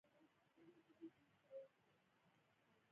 د اګست پر اووه لسمه د امیر ګران زوی وفات شو.